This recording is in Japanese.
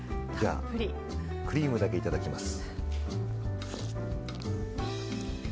クリームだけいただきます。